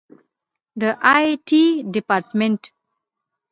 د آی ټي ډیپارټمنټ